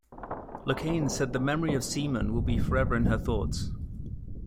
Locane said the memory of Seeman will be forever in her thoughts.